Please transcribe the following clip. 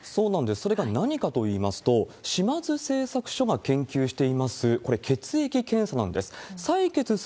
それが何かといいますと、島津製作所が研究しています、これ、血液検査なんです。